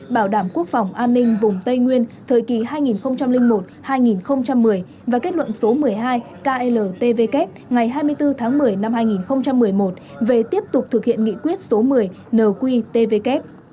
bảo đảm quốc phòng an ninh vùng tây nguyên thời kỳ hai nghìn một hai nghìn một mươi và kết luận số một mươi hai kltvk ngày hai mươi bốn tháng một mươi năm hai nghìn một mươi một về tiếp tục thực hiện nghị quyết số một mươi nqtvk